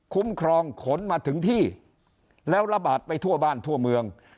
คุ้มครองขนมาถึงที่แล้วระบาดไปทั่วบ้านทั่วเมือง